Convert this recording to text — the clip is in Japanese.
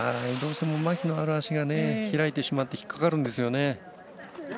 どうしてもまひのある足が開いてしまって引っかかるんですよね。